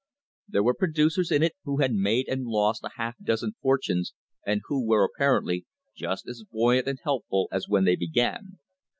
There were producers in it who had made and lost a half dozen fortunes, and who were, apparently, just as buoyant and hopeful as when they began.